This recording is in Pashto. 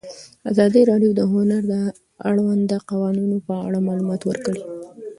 ازادي راډیو د هنر د اړونده قوانینو په اړه معلومات ورکړي.